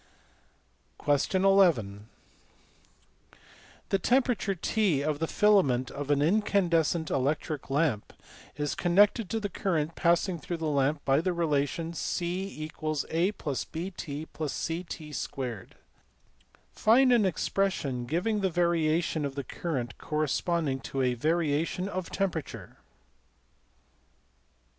\ResetCols \Item{(11)} The temperature~$t$ of the filament of an incandescent electric lamp is connected to the current passing through the lamp by the relation \[ C = a + bt + ct^2. \] Find an expression giving the variation of the current corresponding to a variation of temperature.